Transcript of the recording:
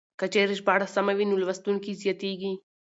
که چېرې ژباړه سمه وي نو لوستونکي زياتېږي.